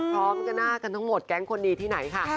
พร้อมจะหน้ากันทั้งหมดแก๊งคนดีที่ไหนค่ะ